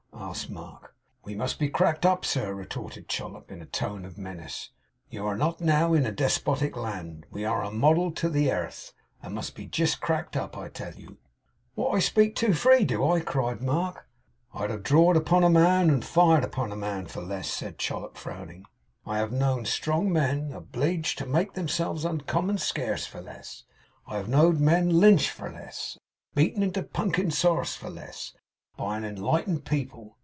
asked Mark. 'We must be cracked up, sir,' retorted Chollop, in a tone of menace. 'You are not now in A despotic land. We are a model to the airth, and must be jist cracked up, I tell you.' 'What! I speak too free, do I?' cried Mark. 'I have draw'd upon A man, and fired upon A man for less,' said Chollop, frowning. 'I have know'd strong men obleeged to make themselves uncommon skase for less. I have know'd men Lynched for less, and beaten into punkin' sarse for less, by an enlightened people.